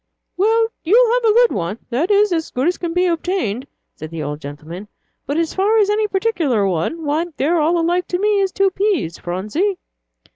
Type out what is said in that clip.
"Well, you'll have a good one, that is, as good as can be obtained," said the old gentleman; "but as for any particular one, why, they're all alike to me as two peas, Phronsie."